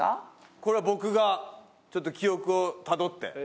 これは僕がちょっと記憶をたどって。